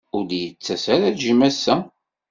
Ur d-yettas ara Jim ass-a.